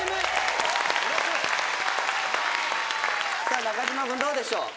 さあ中島君どうでしょう？